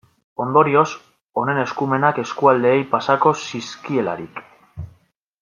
Ondorioz, honen eskumenak eskualdeei pasako zizkielarik.